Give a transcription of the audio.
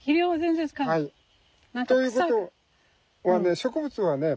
植物はね